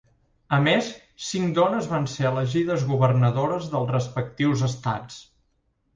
A més, cinc dones van ser elegides governadores dels respectius estats.